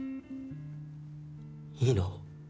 いいの？